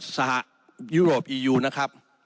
สหยุโรปอียูนะครับ